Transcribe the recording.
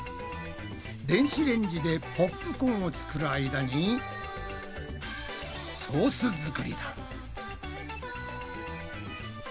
電子レンジでポップコーンを作る間にソース作りだ。